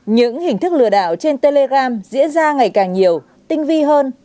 những hình thức lừa đảo trên telegram diễn ra ngày càng nhiều tinh vi hơn